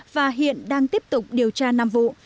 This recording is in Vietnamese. và hiện đang tiếp tục điều tra năm vụ